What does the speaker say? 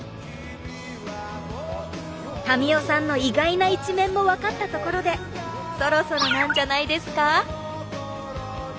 民生さんの意外な一面もわかったところでそろそろなんじゃないですか？